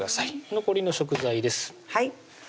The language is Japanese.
残りの食材ですはい